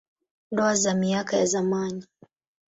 Ndoa za miaka ya zamani.